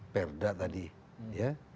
perda tadi ya